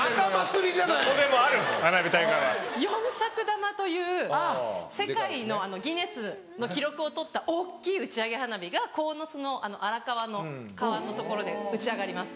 四尺玉という世界のギネスの記録をとった大っきい打ち上げ花火が鴻巣の荒川の川の所で打ち上がります。